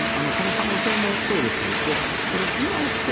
この可能性もそうです。